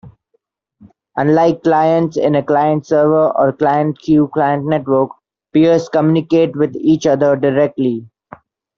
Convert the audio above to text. Unlike clients in a client–server or client–queue–client network, peers communicate with each other directly.